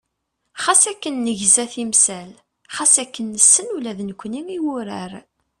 Xas akken negza timsal, xas akken nessen ula d nekkni i wurar.